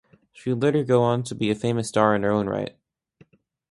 She would later go on to be a famous star in her own right.